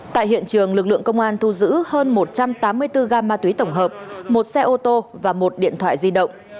tại hiện trường lực lượng công an thu giữ hơn một trăm tám mươi bốn gam ma túy tổng hợp một xe ô tô và một điện thoại di động